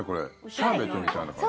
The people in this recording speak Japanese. シャーベットみたいな感じ。